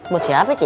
buat siapa ki